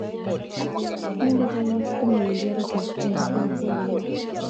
Intenet anyu komawendi haraka, wendi polepole nea.